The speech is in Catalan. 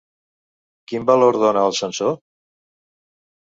Quin valor dóna el sensor?